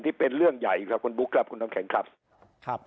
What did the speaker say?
เป็นเรื่องใหญ่ครับคุณบุ๊คครับคุณน้ำแข็งครับครับ